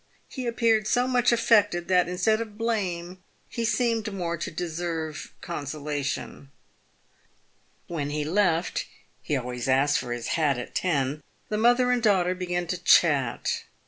He appeared so much affected that instead of blame he seemed more to deserve con solation. "When he left — he always asked for his hat at ten — the mother and daughter began to chat.